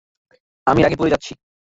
আমি রাগে পুড়ে যাচ্ছি।